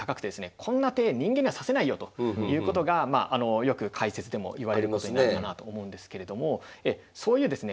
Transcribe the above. こんな手人間には指せないよということがよく解説でも言われることになるかなあと思うんですけれどもそういうですね